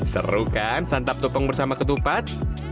seru kan santap tumpeng bersama ketupat